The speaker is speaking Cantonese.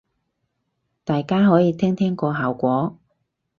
大家可以聽聽個效果